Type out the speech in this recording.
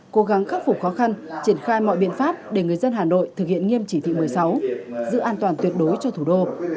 cố gắng khắc phục khó khăn triển khai mọi biện pháp để người dân hà nội thực hiện nghiêm chỉ thị một mươi sáu giữ an toàn tuyệt đối cho thủ đô